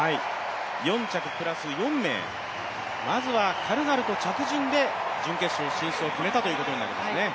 ４着プラス４名、まずは軽々と着順で準決勝進出を決めたということになりますね。